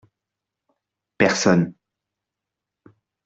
Personne.